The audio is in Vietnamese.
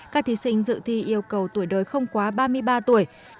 các thí sinh dự thi yêu cầu tuổi đời không quá ba mươi ba tuổi